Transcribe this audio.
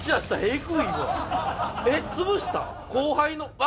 えっ潰したん？